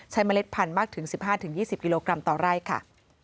เมล็ดพันธุ์มากถึง๑๕๒๐กิโลกรัมต่อไร่ค่ะ